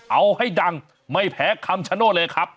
เอาให้ดังไม่แพ้คำชโนธเลยครับ